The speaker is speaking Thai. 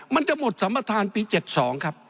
มันจะหมดสัมประธานปี๗๒ครับ